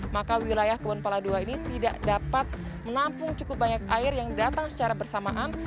maka wilayah kebon pala ii ini tidak dapat menampung cukup banyak air yang datang secara bersamaan